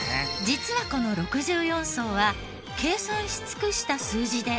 実はこの６４層は計算し尽くした数字で。